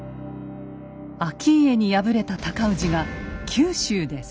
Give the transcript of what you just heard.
顕家に敗れた尊氏が九州で再起。